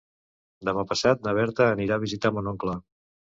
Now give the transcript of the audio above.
Demà passat na Berta anirà a visitar mon oncle.